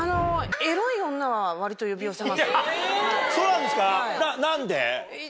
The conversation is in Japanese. そうなんですか？